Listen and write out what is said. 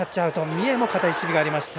三重も堅い守備がありました。